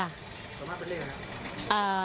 ส่วนมากเป็นเลขไหม